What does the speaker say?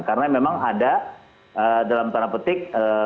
karena memang ada dalam tanah petik